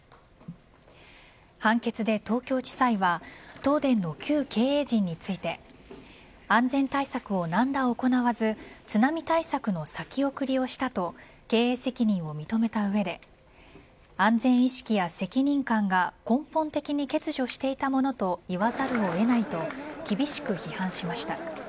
判決で東京地裁は東電の旧経営陣について安全対策を何ら行わず津波対策の先送りをしたと経営責任を認めた上で安全意識や責任感が根本的に欠如していたものと言わざるを得ないと厳しく批判しました。